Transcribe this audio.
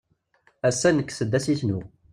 Ass-a nekkes-d asisnu.